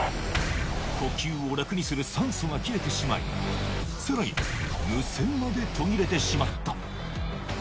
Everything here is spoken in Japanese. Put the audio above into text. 呼吸を楽にする酸素が切れてしまい、さらに無線まで途切れてしまった。